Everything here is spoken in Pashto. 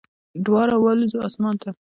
دواړه والوزو اسمان ته